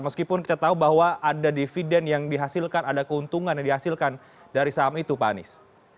meskipun kita tahu bahwa ada dividen yang dihasilkan ada keuntungan yang dihasilkan dari saham itu pak anies